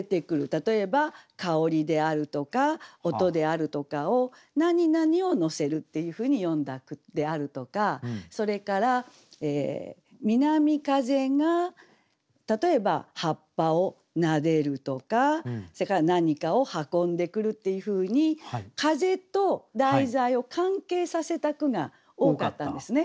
例えば香りであるとか音であるとかをなになにを乗せるっていうふうに詠んだ句であるとかそれから南風が例えば葉っぱを撫でるとかそれから何かを運んでくるっていうふうに風と題材を関係させた句が多かったんですね。